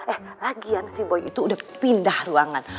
eh lagian si boy itu udah pindah ruangan